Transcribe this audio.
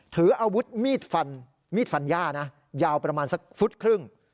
ถืออาวุธมีดฟันมีดฟันย่านะยาวประมาณสักฟุตครึ่ง